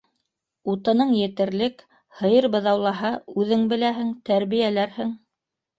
Утының етерлек, һыйыр быҙаулаһа, үҙең беләһең, тәрбиәләрһең.